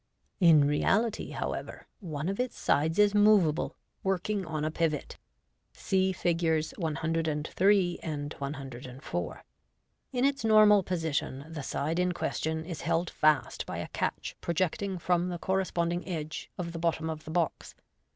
In reality, however, one of its sides is moveable, working on a pivot. {See Figs. 103, 104 ) In its normal position, the side in question is held fast by a catch projecting from the cor responding edge of the bottom of the box.